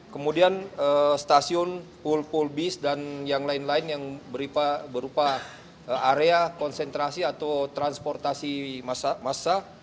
kemudian stasiun pool pool bis dan yang lain lain yang berupa area konsentrasi atau transportasi massa